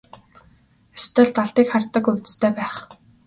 Ёстой л далдыг хардаг увдистай байх.